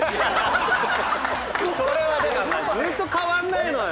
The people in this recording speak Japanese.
それはずーっと変わんないのよ。